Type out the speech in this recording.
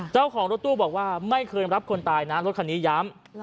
เจ้าของรถตู้บอกว่าไม่เคยรับคนตายนะรถคันนี้ย้ำ